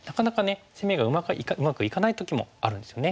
攻めがうまくいかない時もあるんですよね。